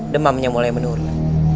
demamnya mulai menurun